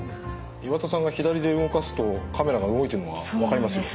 岩田さんが左で動かすとカメラが動いてるのが分かりますよ。